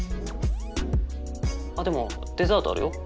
あっでもデザートあるよ。